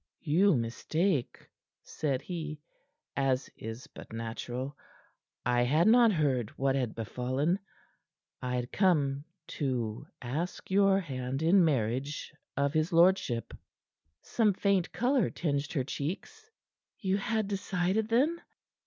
"You mistake," said he, "as is but natural. I had not heard what had befallen. I came to ask your hand in marriage of his lordship." Some faint color tinged her cheeks. "You had decided, then?"